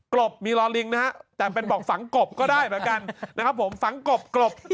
บมีรอลิงนะฮะแต่เป็นบอกฝังกบก็ได้เหมือนกันนะครับผมฝังกบกลบ